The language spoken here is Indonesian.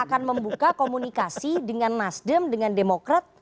akan membuka komunikasi dengan nasdem dengan demokrat